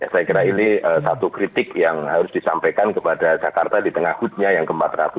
saya kira ini satu kritik yang harus disampaikan kepada jakarta di tengah hudnya yang ke empat ratus lima puluh